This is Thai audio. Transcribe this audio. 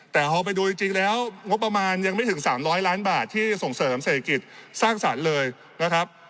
แต่พอไปดูจริงแล้วงบประมาณยังไม่ถึง๓๐๐ล้านบาทที่ส่งเสริมเศรษฐกิจสร้างสรรค์เลยนะครับ